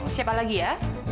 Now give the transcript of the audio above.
siapa lagi ya